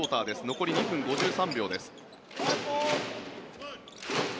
残り２分５３秒です。